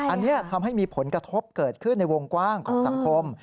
อันนี้ทำให้มีผลกระทบเกิดขึ้นในวงกว้างของสังคม